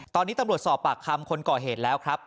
ตอนนี้ตำรวจสอบปากคำคนก่อเหตุแล้วครับ